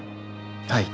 はい。